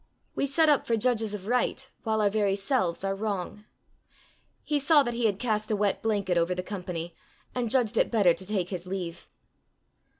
We set up for judges of right while our very selves are wrong! He saw that he had cast a wet blanket over the company, and judged it better to take his leave.